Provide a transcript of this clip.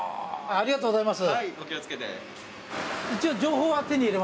ありがとうございます。